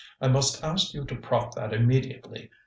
I must ask you to prop that immediately.